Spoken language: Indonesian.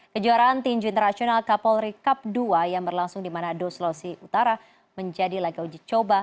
kejuaraan tinju internasional kapolri cup dua yang berlangsung di manado sulawesi utara menjadi laga uji coba